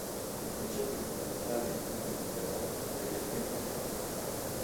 I concetti fondamentali rimangono però quelli appena esposti.